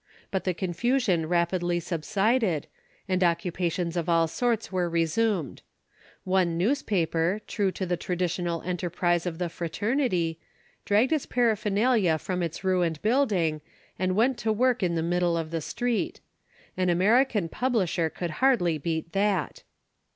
But the confusion rapidly subsided, and occupations of all sorts were resumed. One newspaper, true to the traditional enterprise of the fraternity, dragged its paraphernalia from its ruined building, and went to work in the middle of the street. An American publisher could hardly beat that.